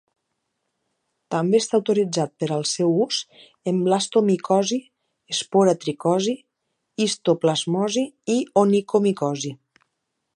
També està autoritzat per al seu ús en blastomicosi, espora tricosi, histoplasmosi i onicomicosi.